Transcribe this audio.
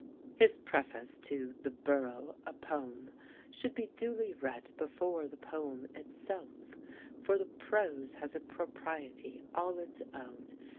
His preface to "The Borough, a Poem," should be duly read before the "poem" itself, for the prose has a propriety all its own.